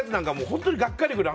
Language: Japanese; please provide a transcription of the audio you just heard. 本当にがっかりくる。